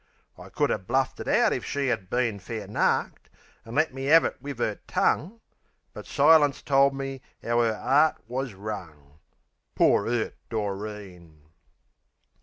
I could 'a' bluffed it out if she 'ad been Fair narked, an' let me 'ave it wiv 'er tongue; But silence told me 'ow 'er 'eart wus wrung. Poor 'urt Doreen!